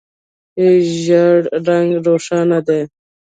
ژېړ رنګ روښانه دی.